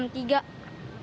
dari jam tiga